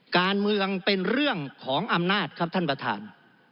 การเมืองเป็นเรื่องของอำนาจครับท่านประธาน